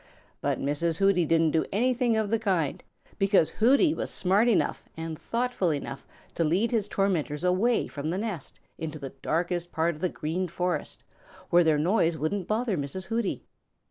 But Mrs. Hooty didn't do anything of the kind, because Hooty was smart enough and thoughtful enough to lead his tormentors away from the nest into the darkest part of the Green Forest where their noise wouldn't bother Mrs. Hooty.